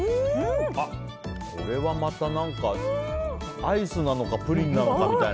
これはまた、アイスなのかプリンなのかみたいな。